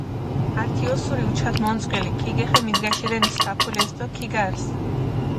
ართი ოსური უჩათ მონწყილი ქიგეხე მიდგაშირენ საფულეს დო ქიგარს.